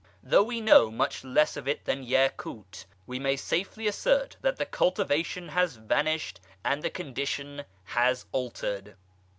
Though we know much less of it than Yacut, we may safely assert that the cultivation has vanished and the condition has altered.